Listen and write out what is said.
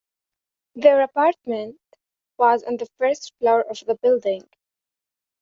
Their apartment was on the first floor of the building.